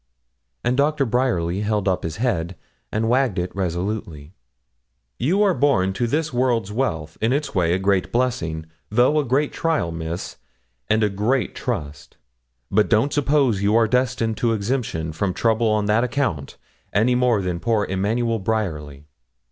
And Doctor Bryerly held up his head, and wagged it resolutely. 'You are born to this world's wealth; in its way a great blessing, though a great trial, Miss, and a great trust; but don't suppose you are destined to exemption from trouble on that account, any more than poor Emmanuel Bryerly.